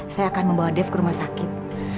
saya akan membawa dev ke rumah sakit